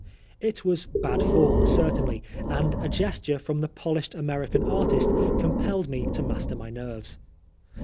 It was bad form, certainly, and a gesture from the polished American artist compelled me to master my nerves.